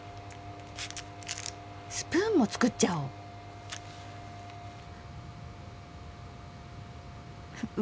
スプーンも作っちゃおう！